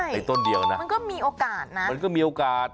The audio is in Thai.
มันก็มีโอกาส